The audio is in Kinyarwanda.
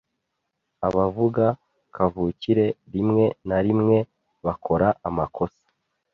Abavuga kavukire rimwe na rimwe bakora amakosa,